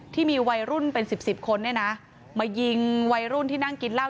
ที่มีวัยรุ่นเป็นสิบสิบคนเนี่ยนะมายิงวัยรุ่นที่นั่งกินเหล้า